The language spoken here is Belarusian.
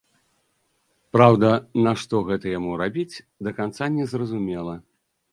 Праўда, нашто гэта яму рабіць, да канца не зразумела.